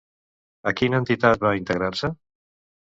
A quina entitat va integrar-se?